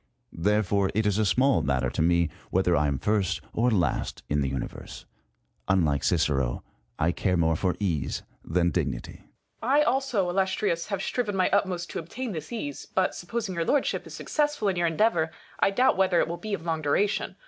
Therefore it is a small matter to me whether I am first or last in the Universe : unlike Cicero, I care more for ease than dignity. Copernicus. I also. Illustrious, have striven my utmost to obtain this ease. But, supposing your Lordship is successful in your endeavour, I doubt whether it will be of long duration.